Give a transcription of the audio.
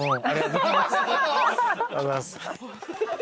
ありがとうございます。